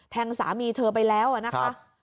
แทงสามีเธอไปแล้วอะนะคะ